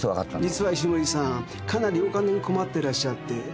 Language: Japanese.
実は石森さんかなりお金に困ってらっしゃって。